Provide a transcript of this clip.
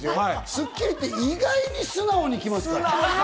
『スッキリ』って意外に素直に来ますから。